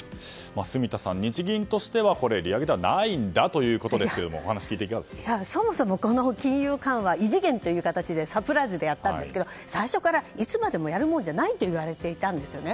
住田さん、日銀としては利上げではないんだということですけどそもそもこの金融緩和異次元という形でサプライズでやったんですけど最初からいつまでもやるものじゃないといわれていたんですね。